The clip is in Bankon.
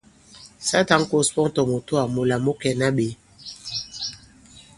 Sa tǎn kǒs pɔn tɔ̀ mùtoà mūla mu kɛ̀na ɓě !